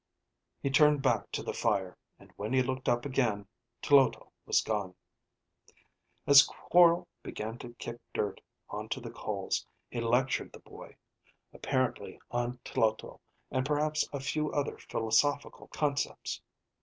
He turned back to the fire, and when he looked up again, Tloto was gone. As Quorl began to kick dirt onto the coals, he lectured the boy, apparently on Tloto and perhaps a few other philosophical concepts.